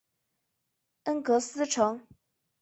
恩格斯城。